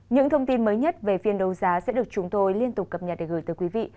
những thông tin mới nhất về phiên đấu giá sẽ được chúng tôi liên tục cập nhật để gửi tới quý vị